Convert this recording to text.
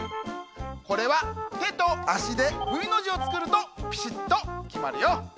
これはてとあしでＶのじをつくるとピシッときまるよ。